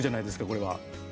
これは。